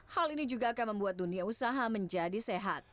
hal ini juga akan membuat dunia usaha menjadi sehat